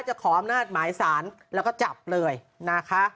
ขออำนาจหมายสารแล้วก็จับเลยนะคะ